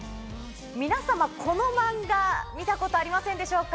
皆さまこのマンガ見たことありませんでしょうか。